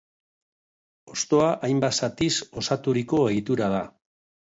Hostoa hainbat zatiz osaturiko egitura da.